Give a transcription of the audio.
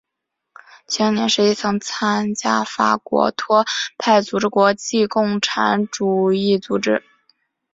青年时期曾经参加法国托派组织国际主义共产主义组织。